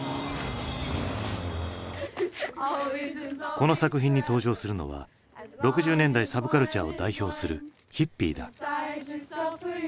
この作品に登場するのは６０年代サブカルチャーを代表するヒッピーだ。